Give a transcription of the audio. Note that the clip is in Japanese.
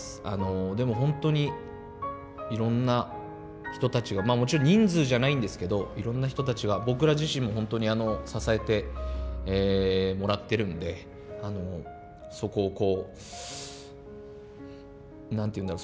でも本当にいろんな人たちがもちろん人数じゃないんですけどいろんな人たちが僕ら自身も本当に支えてもらってるんでそこをこう何て言うんだろう